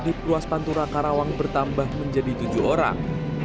di ruas pantura karawang bertambah menjadi tujuh orang